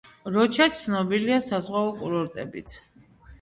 როჩა ცნობილია საზღვაო კურორტებით.